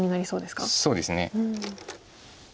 そうですね。